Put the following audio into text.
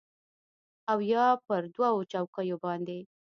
او یا پر دوو چوکیو باندې